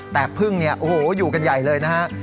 แต่พึ่งเนี่ยโอ้โหอยู่กันใหญ่เลยนะฮะ